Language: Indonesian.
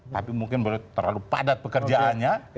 tapi mungkin terlalu padat pekerjaannya